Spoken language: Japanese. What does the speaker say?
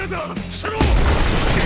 伏せろ！